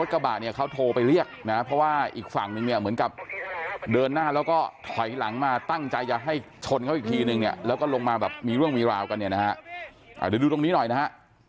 กระบะเนี่ยเขาโทรไปเรียกนะเพราะว่าอีกฝั่งนึงเนี่ยเหมือนกับเดินหน้าแล้วก็ถอยหลังมาตั้งใจจะให้ชนเขาอีกทีนึงเนี่ยแล้วก็ลงมาแบบมีเรื่องมีราวกันเนี่ยนะฮะเดี๋ยวดูตรงนี้หน่อยนะฮะ